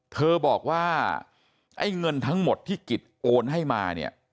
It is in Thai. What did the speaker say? เธอบอกว่าไอ้เงินทั้งหมดที่กิจโอนให้มาเนี่ย